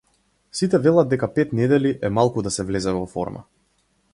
Сите велат дека пет недели е малку да се влезе во форма.